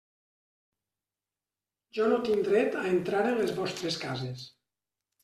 Jo no tinc dret a entrar en les vostres cases.